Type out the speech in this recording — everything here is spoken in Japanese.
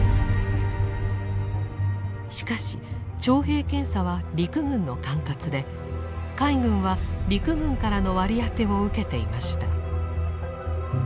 しかし徴兵検査は陸軍の管轄で海軍は陸軍からの割り当てを受けていました。